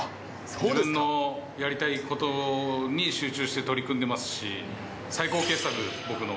自分のやりたいことに集中して取り組んでますし、最高傑作、僕の。